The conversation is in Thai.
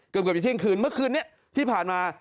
เกือบจะเที่ยงคืนเมื่อคืนนี้ที่ผ่านมา